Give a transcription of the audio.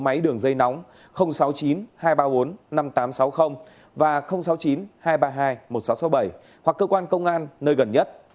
máy đường dây nóng sáu mươi chín hai trăm ba mươi bốn năm nghìn tám trăm sáu mươi và sáu mươi chín hai trăm ba mươi hai một nghìn sáu trăm sáu mươi bảy hoặc cơ quan công an nơi gần nhất